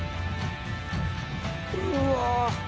うわ。